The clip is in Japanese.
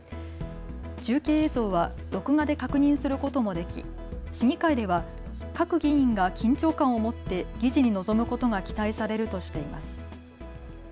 中継映像は録画で確認することもでき市議会では各議員が緊張感を持って議事に臨むことが期待されるとしています。